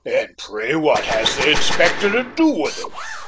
"And pray what has the Inspector to do with them?"